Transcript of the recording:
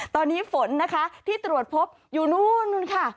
ตอนนี้ฝนที่ตรวจพบอยู่นู่นนู่นค่ะ